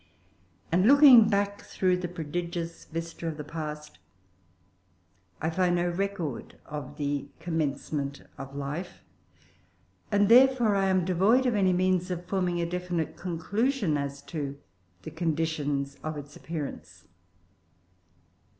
And looking back through the prodigious vista of the past, I find no record of the commencement of life, and therefore I am devoid of any means of forming a definite conclusion as to the conditions of its appearance.